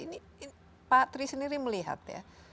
ini pak tri sendiri melihat ya